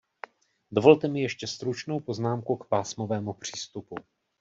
Dovolte mi ještě stručnou poznámku k pásmovému přístupu.